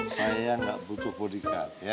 saya enggak butuh bodyguard ya